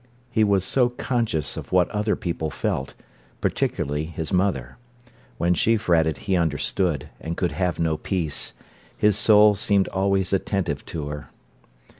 He was so conscious of what other people felt, particularly his mother. When she fretted he understood, and could have no peace. His soul seemed always attentive to her.